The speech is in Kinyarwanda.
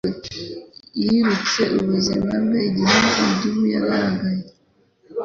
Yirutse ubuzima bwe igihe idubu yagaragaye.